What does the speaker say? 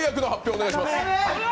お願いします。